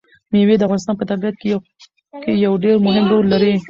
مېوې د افغانستان په طبیعت کې یو ډېر مهم رول لري.